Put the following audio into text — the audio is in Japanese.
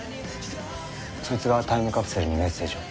そいつがタイムカプセルにメッセージを？